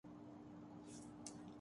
اس مالی اور معاشی کمزوری